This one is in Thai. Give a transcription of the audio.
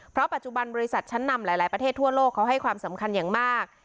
เพราะปัจจุบันบริษัทชั้นนำหลายประเทศทั่วโลกเขาให้ความสำคัญอย่างมาก